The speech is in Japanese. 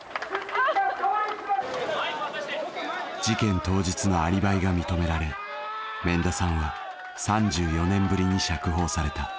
事件当日のアリバイが認められ免田さんは３４年ぶりに釈放された。